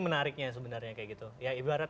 menariknya sebenarnya kayak gitu ya ibarat